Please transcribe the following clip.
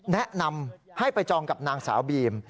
แนะนำให้ไปจองกับนางสาวบีม